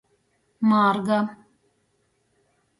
Mārga.